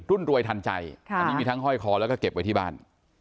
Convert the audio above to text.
รุ่นรวยทันใจอันนี้มีทั้งห้อยคอแล้วก็เก็บไว้ที่บ้าน